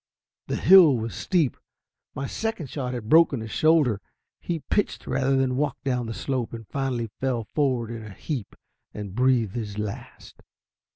The hill was steep; my second shot had broken his shoulder; he pitched rather than walked down the slope; and finally fell forward in a heap and breathed his last.